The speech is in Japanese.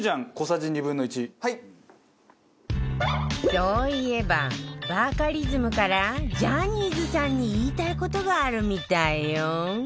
そういえばバカリズムからジャニーズさんに言いたい事があるみたいよ